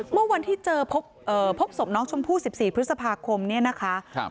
เมื่อวันที่เจอพบศพน้องชมพู่๑๔พฤษภาคมเนี่ยนะคะ